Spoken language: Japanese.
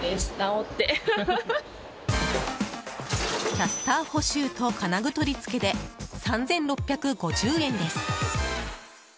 キャスター補修と金具取り付けで３６５０円です。